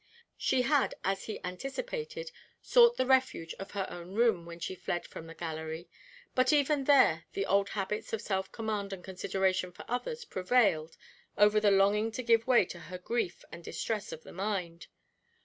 She had, as he anticipated, sought the refuge of her own room when she fled from the gallery; but even there the old habits of self command and consideration for others prevailed over the longing to give way to her grief and distress of the mind.